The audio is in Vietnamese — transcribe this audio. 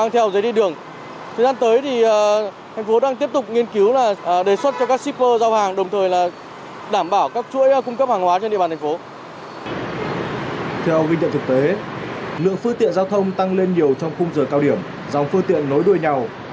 theo ghi nhận thực tế lượng phương tiện giao thông tăng lên nhiều trong khung giờ cao điểm dòng phương tiện nối đuôi nhau